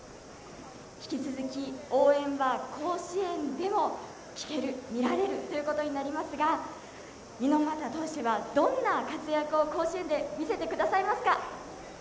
引き続き応援は甲子園でも聞ける見られるということになりましたが猪俣投手はどんな活躍を甲子園で見せてくださいますか？